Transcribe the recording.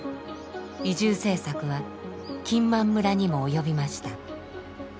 移住政策は金満村にも及びました。